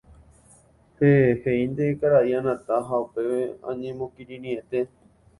“Héẽ” heʼínte karai Anata ha upéi oñemokirirĩete.